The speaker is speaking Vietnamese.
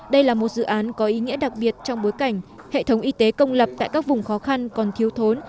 đây là một dự án có ý nghĩa đặc biệt trong bối cảnh hệ thống y tế công lập tại các vùng khó khăn còn thiếu thốn